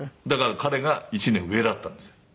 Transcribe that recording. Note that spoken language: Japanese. だから彼が１年上だったんですよ。